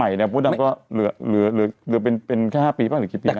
ยังเป็นลูกเด็กอยู่เลยอ่ะ